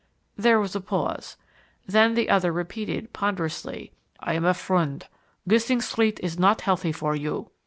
There was a pause. Then the other repeated, ponderously, "I am a friend. Gissing Street is not healthy for you."